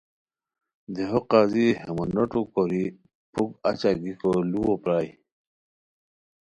دیہو قاضی ہے مونوٹو کوری پُھک اچہ گیکو لوُؤ پرائے